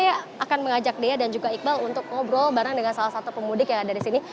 saya akan mengajak dea dan juga iqbal untuk ngobrol bareng dengan salah satu pemudik yang ada di sini